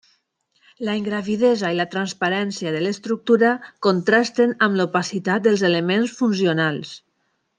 La ingravidesa i la transparència de l'estructura contrasten amb l'opacitat dels elements funcionals.